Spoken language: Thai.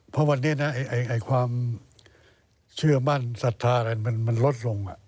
เพราะวันนี้นะความเชื่อมั่นศรัทธาอะไรมันลดลง